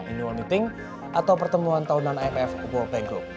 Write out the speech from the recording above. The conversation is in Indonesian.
annual meeting atau pertemuan tahunan imf world bank group